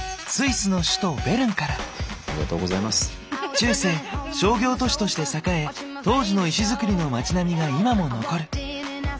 中世商業都市として栄え当時の石造りの町並みが今も残る。